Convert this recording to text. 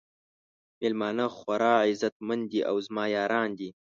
میلمانه خورا عزت مند دي او زما یاران دي.